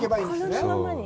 心のままに。